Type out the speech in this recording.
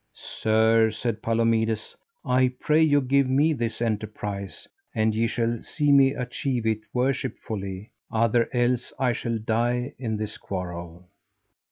Sir, said Palomides, I pray you give me this enterprise, and ye shall see me achieve it worshipfully, other else I shall die in this quarrel.